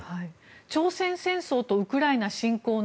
朝鮮戦争とウクライナ侵攻の